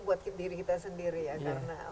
buat diri kita sendiri ya karena